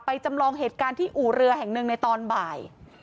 จำลองเหตุการณ์ที่อู่เรือแห่งหนึ่งในตอนบ่าย